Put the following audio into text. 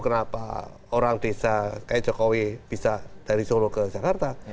kenapa orang desa kayak jokowi bisa dari solo ke jakarta